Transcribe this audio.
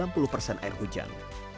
dan menyebar air hujan